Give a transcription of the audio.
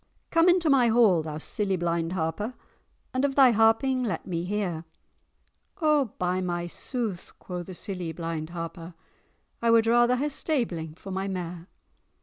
"'Come into my hall, thou silly blind Harper, And of thy harping let me hear!' 'O, by my sooth,' quo' the silly blind Harper, 'I wad rather hae stabling for my mare."